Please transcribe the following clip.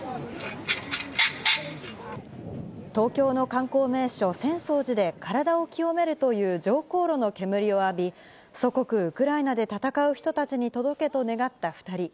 東京の観光名所、浅草寺で体を清めるという常香炉の煙を浴び、祖国、ウクライナで戦う人に届けと願った２人。